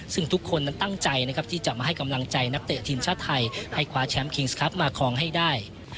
ซึ่งทุกคนนั้นตั้งใจนะครับที่จะมาให้กำลังใจนักเตะทีมชาติไทยให้คว้าแชมป์คิงส์ครับมาคลองให้ได้